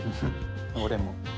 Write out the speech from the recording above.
俺も。